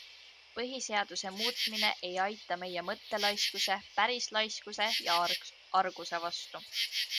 Põhiseaduse muutmine ei aita meie mõttelaiskuse, pärislaiskuse ja arguse vastu.